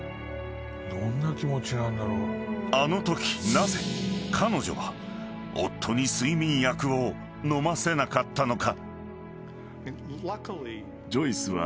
［あのときなぜ彼女は夫に睡眠薬を飲ませなかったのか？］